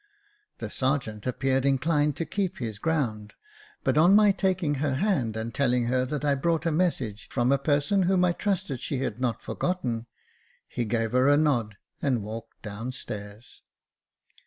The sergeant appeared inclined to keep his ground ; but on my taking her hand and telling her that I brought a message from a ;^yS Jacob Faithful person whom I trusted she had not forgotten, he gave her a nod and walked down stairs.